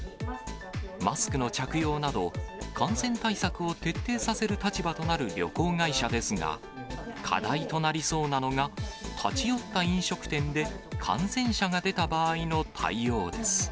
マスクの着用など、感染対策を徹底させる立場となる旅行会社ですが、課題となりそうなのが、立ち寄った飲食店で感染者が出た場合の対応です。